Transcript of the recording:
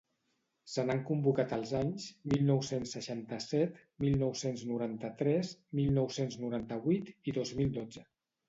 Se n’han convocat els anys mil nou-cents seixanta-set, mil nou-cents noranta-tres, mil nou-cents noranta-vuit i dos mil dotze.